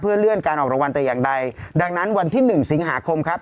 เลื่อนการออกรางวัลแต่อย่างใดดังนั้นวันที่หนึ่งสิงหาคมครับ